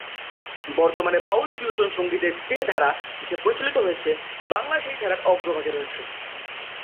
বর্তমানে বাউল-ফিউশন সঙ্গীতের যে ধারা দেশে প্রচলিত হয়েছে, বাংলা সেই ধারার অগ্রভাগে রয়েছে।